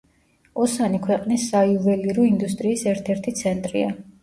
ოსანი ქვეყნის საიუველირო ინდუსტრიის ერთ-ერთი ცენტრია.